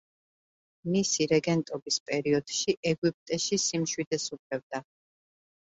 მისი რეგენტობის პერიოდში ეგვიპტეში სიმშვიდე სუფევდა.